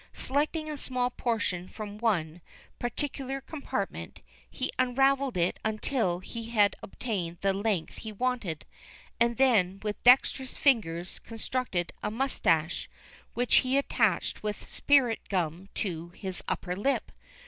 Selecting a small portion from one, particular compartment, he unravelled it until he had obtained the length he wanted, and then with dexterous fingers constructed a moustache, which he attached with spirit gum to his upper lip.